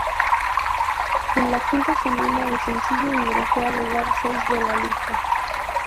En la quinta semana, el sencillo ingresó al lugar seis de la lista.